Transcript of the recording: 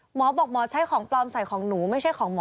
หมอบอกหมอใช้ของปลอมใส่ของหนูไม่ใช่ของหมอ